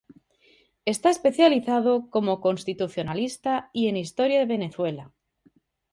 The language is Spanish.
Está especializado como constitucionalista y en historia de Venezuela.